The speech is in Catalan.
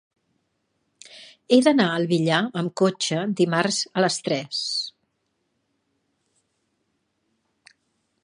He d'anar al Villar amb cotxe dimarts a les tres.